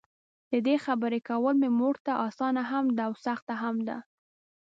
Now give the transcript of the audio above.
ددې خبري کول مې مورته؛ اسانه هم ده او سخته هم ده.